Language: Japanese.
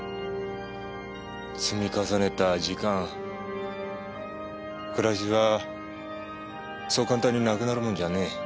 積み重ねた時間暮らしはそう簡単になくなるもんじゃねえ。